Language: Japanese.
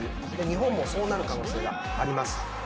日本もそうなる可能性があります。